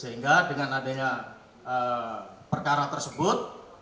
sehingga dengan adanya perkara tersebut